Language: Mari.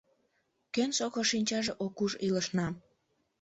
Кӧн сокыр шинчаже ок уж илышнам.